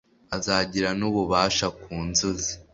azagire n'ububasha ku nzuzi